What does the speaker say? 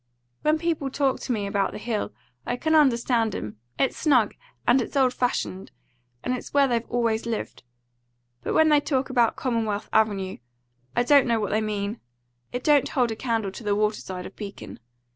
When people talk to me about the Hill, I can understand 'em. It's snug, and it's old fashioned, and it's where they've always lived. But when they talk about Commonwealth Avenue, I don't know what they mean. It don't hold a candle to the water side of Beacon.